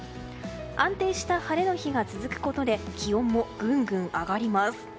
安定した晴れの日が続くことで気温もぐんぐん上がります。